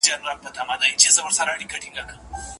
استاد باید شاګرد ته بشپړه خپلواکي ورکړي.